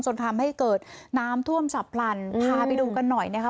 จนทำให้เกิดน้ำท่วมฉับพลันพาไปดูกันหน่อยนะคะ